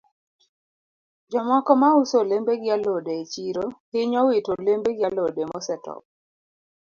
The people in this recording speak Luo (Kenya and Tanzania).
Jomoko ma uso olembe gi alode e chiro hinyo wito olembe gi alode mosetop.